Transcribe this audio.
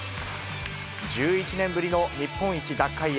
１１年ぶりの日本一奪回へ。